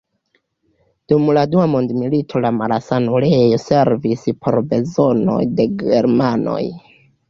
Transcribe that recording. Dum la dua mondmilito la malsanulejo servis por bezonoj de germanoj.